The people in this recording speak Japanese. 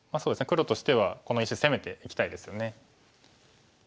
黒としてはこの石攻めていきたいですよね。